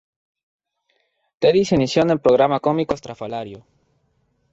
Teddy se inició en el programa cómico "Estrafalario".